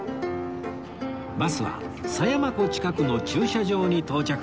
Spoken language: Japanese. バスは狭山湖近くの駐車場に到着